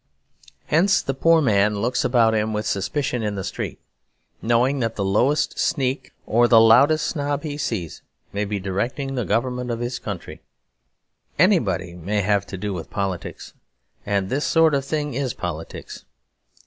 Hence the poor man looks about him with suspicion in the street; knowing that the lowest sneak or the loudest snob he sees may be directing the government of his country. Anybody may have to do with politics; and this sort of thing is politics.